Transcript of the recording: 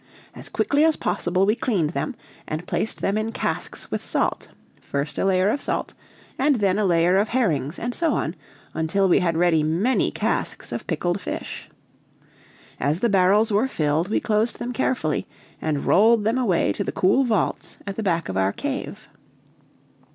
As quickly as possible we cleaned them, and placed them in casks with salt, first a layer of salt, and then a layer of herrings, and so on, until we had ready many casks of pickled fish. As the barrels were filled, we closed them carefully, and rolled them away to the cool vaults at the back of our cave.